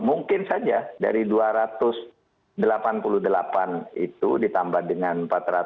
mungkin saja dari dua ratus delapan puluh delapan itu ditambah dengan empat ratus